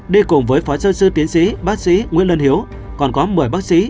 đi cùng với phó giáo sư tiến sĩ bác sĩ nguyễn lân hiếu còn có một mươi bác sĩ